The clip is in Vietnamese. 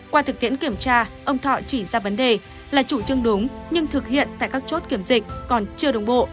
qua thực tiễn kiểm tra ông thọ chỉ ra vấn đề là chủ trương đúng nhưng thực hiện tại các chốt kiểm dịch còn chưa đồng bộ